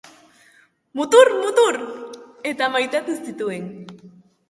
Mutur! Mutur!, eta maitatu zituen.